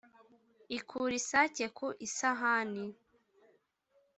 Ikure isake ku isahani,